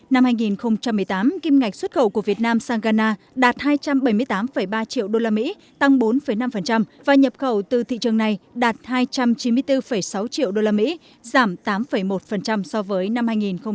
năm hai nghìn một mươi tám kim ngạch xuất khẩu của việt nam sang ghana đạt hai trăm bảy mươi tám ba triệu usd tăng bốn năm và nhập khẩu từ thị trường này đạt hai trăm chín mươi bốn sáu triệu usd giảm tám một so với năm hai nghìn một mươi bảy